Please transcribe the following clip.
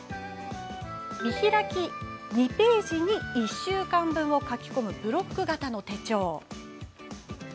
見開き２ページに１週間分を書き込むブロック型の手帳。